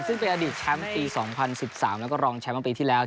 แชมป์ปี๒๐๑๓แล้วก็รองแชมป์ปีที่แล้ว